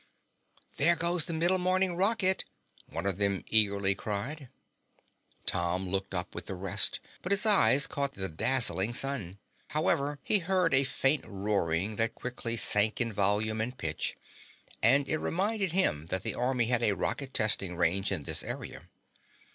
"There goes the middle morning rocket!" one of them eagerly cried. Tom looked up with the rest, but his eyes caught the dazzling sun. However, he heard a faint roaring that quickly sank in volume and pitch, and it reminded him that the Army had a rocket testing range in this area.